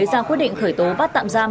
ra quyết định khởi tố bắt tạm giam